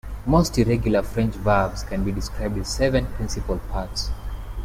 Most irregular French verbs can be described with seven principal parts.